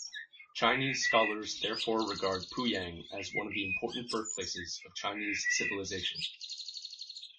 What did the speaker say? Chinese scholars therefore regard Puyang as one of the important birthplaces of Chinese civilization.